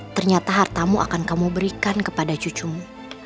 ternyata hartamu akan kamu berikan kepada cucumu